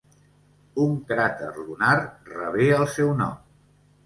Un cràter lunar rebé el seu nom.